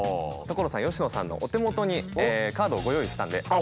所さん佳乃さんのお手元にカードをご用意したんで。